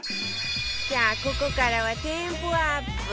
さあここからはテンポアップ